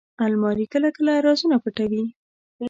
الماري کله کله رازونه پټوي